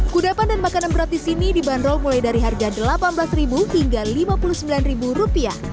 kudapan dan makanan berat disini dibanderol mulai dari harga delapan belas hingga lima puluh sembilan rupiah